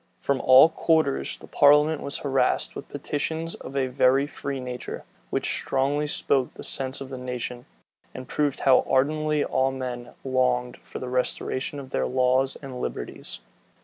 From all quarters the parliament was harassed with petitions of a very free nature, which strongly spoke the sense of the nation, and proved how ardently all men longed for the restoration of their laws and liberties.